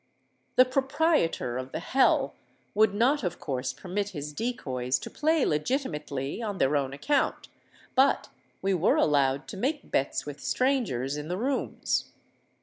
The proprietor of the hell would not of course permit his 'decoys' to play legitimately on their own account; but we were allowed to make bets with strangers in the rooms.